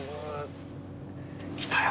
来たよ。